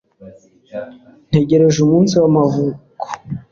ntegereje umunsi w'amavuko